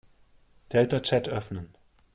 Deltachat öffnen.